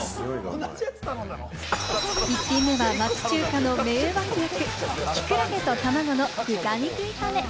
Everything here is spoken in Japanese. １品目は町中華の名脇役・きくらげと卵の豚肉炒め。